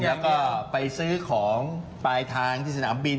แล้วก็ไปซื้อของปลายทางที่สนามบิน